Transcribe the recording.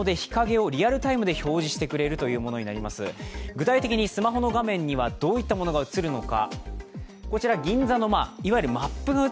具体的にスマホの画面にはどういったものが映るのか。